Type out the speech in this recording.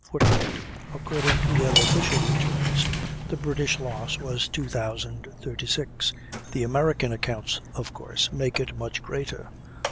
[Footnote: According to their official returns the British loss was 2,036; the American accounts, of course, make it much greater.